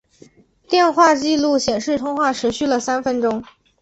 电话记录显示通话持续了三分钟。